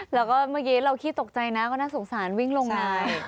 แล้วก็เมื่อกี้เราขี้ตกใจนะก็น่าสงสารวิ่งลงน้ำ